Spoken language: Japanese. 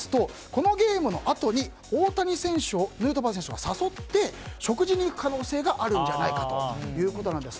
このゲームのあとに大谷選手をヌートバー選手が誘って食事に行く可能性があるんじゃないかということです。